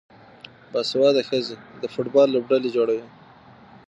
باسواده ښځې د فوټبال لوبډلې جوړوي.